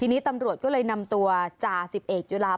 ทีนี้ตำรวจก็เลยนำตัวจ่า๑๑จุลา